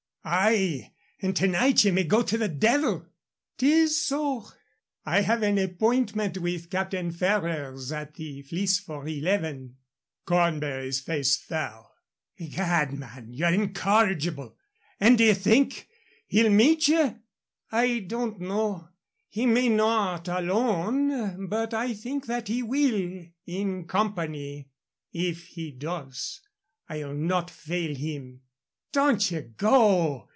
"Ay, and to night ye may go to the devil " "'Tis so. I have an appointment with Captain Ferrers at the Fleece for eleven." Cornbury's face fell. "Egad, man, ye're incorrigible! And d'ye think he'll meet ye?" "I don't know. He may not, alone. But I think that he will, in company. If he does, I'll not fail him." "Don't ye go.